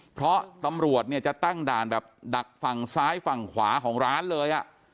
เพราะตำรวจเนี่ยจะตั้งด่านแบบดักฝั่งซ้ายฝั่งขวาของร้านเลย